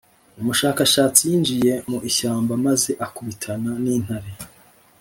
umushakashatsi yinjiye mu ishyamba maze akubitana n'intare.